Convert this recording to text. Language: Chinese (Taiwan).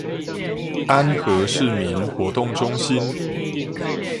安和市民活動中心